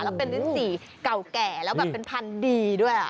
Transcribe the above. แล้วเป็นลิ้นจี่เก่าแก่แล้วแบบเป็นพันธุ์ดีด้วย